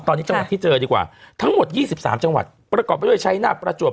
ตอนนี้จังหวัดที่เจอดีกว่าทั้งหมด๒๓จังหวัดประกอบไปด้วยใช้หน้าประจวบ